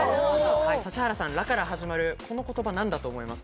指原さん、「ラ」から始まるこの言葉、何だと思いますか？